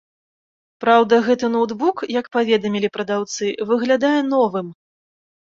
Праўда, гэты ноўтбук, як паведамілі прадаўцы, выглядае новым.